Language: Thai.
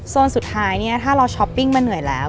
สุดท้ายเนี่ยถ้าเราช้อปปิ้งมาเหนื่อยแล้ว